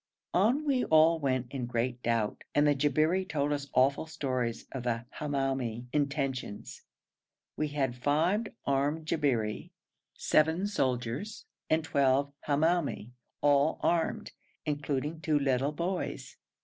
On we all went in great doubt, and the Jabberi told us awful stories of the Hamoumi intentions. We had five armed Jabberi, seven soldiers, and twelve Hamoumi, all armed, including two little boys.